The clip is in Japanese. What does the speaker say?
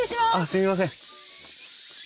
すいません。